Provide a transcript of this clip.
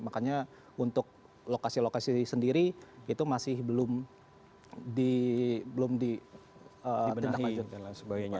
makanya untuk lokasi lokasi sendiri itu masih belum dibenahi dan lain sebagainya